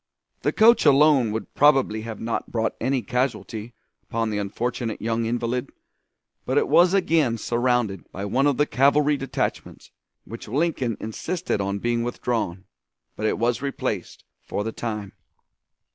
The coach alone would probably have not brought any casualty upon the unfortunate young invalid, but it was again surrounded by one of the cavalry detachments, which Lincoln insisted on being withdrawn, but it was replaced, for the time.